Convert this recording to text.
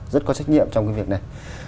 rất có trách nhiệm trong cái việc này